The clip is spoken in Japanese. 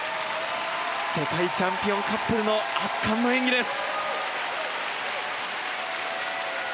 世界チャンピオンカップルの圧巻の演技です。